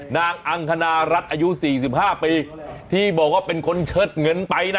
นางอังคณรัฐอายุ๔๕ปีที่บอกว่าเป็นคนเชิดเงินไปนะ